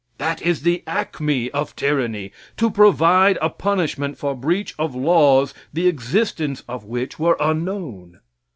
That is the acme of tyranny: to provide a punishment for breach of laws the existence of which were unknown.